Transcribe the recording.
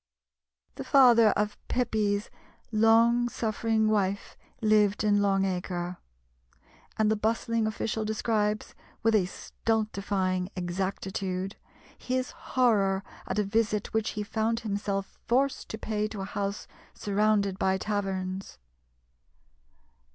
The father of Pepys's long suffering wife lived in Long Acre; and the bustling official describes, with a stultifying exactitude, his horror at a visit which he found himself forced to pay to a house surrounded by taverns.